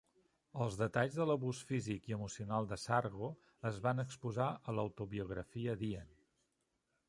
Els detalls de l'abús físic i emocional de Sargo es van exposar a l'autobiografia d'Ian.